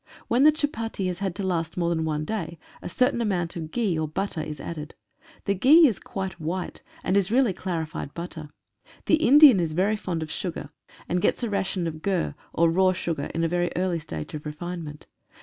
When the chupatti has to last more than one day a certain amount of ghee, or butter, is added. The ghee is quite white, and is really clarified butter. The Indian is very fond of sugar, and gets a ration of ghur, or raw sugar in a very early stage of refinement.